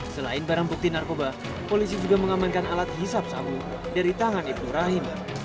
selain barang bukti narkoba polisi juga mengamankan alat hisap sabu dari tangan ibnu rahim